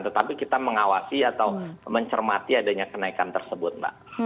tetapi kita mengawasi atau mencermati adanya kenaikan tersebut mbak